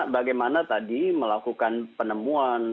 bagaimana tadi melakukan penemuan